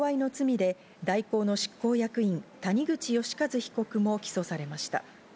また贈賄の罪で大広の執行役員・谷口良一被告も起訴されました。